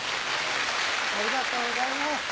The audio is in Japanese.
ありがとうございます。